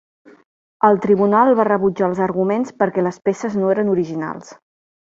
El tribunal va rebutjar els arguments perquè les peces no eren originals.